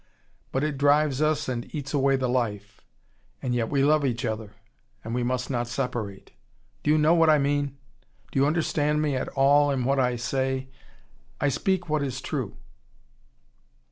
But it drives us, and eats away the life and yet we love each other, and we must not separate Do you know what I mean? Do you understand me at all in what I say? I speak what is true."